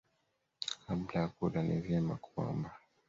Kabla ya kula ni vyema kuomba.